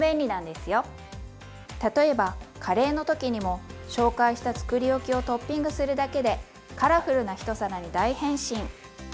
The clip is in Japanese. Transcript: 例えばカレーの時にも紹介したつくりおきをトッピングするだけでカラフルな１皿に大変身！